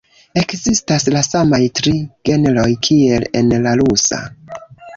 Ekzistas la samaj tri genroj kiel en la rusa.